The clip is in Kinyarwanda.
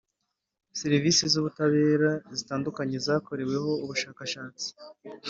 Serivisi z ubutabera zitandukanye zakoreweho ubushakashatsi